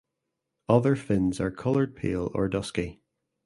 Other fins are colored pale or dusky.